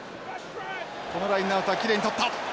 このラインアウトはきれいにとった。